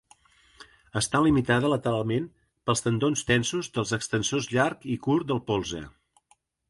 Està limitada lateralment pels tendons tensos dels extensors llarg i curt del polze.